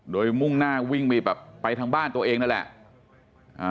โดยมุ่งหน้าวิ่งไปแบบไปทางบ้านตัวเองนั่นแหละ